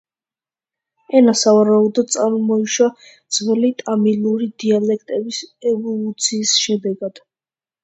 ენა სავარაუდოდ წარმოიშვა ძველი ტამილური დიალექტების ევოლუციის შედეგად.